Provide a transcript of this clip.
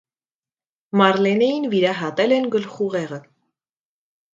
Մարլենեին վիրահատել են գլխուղեղը։